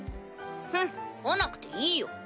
フンっ来なくていいよ。